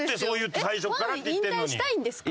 ファン引退したいんですか？